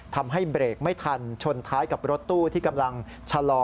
ทำให้เบรกไม่ทันชนท้ายกับรถตู้ที่กำลังชะลอ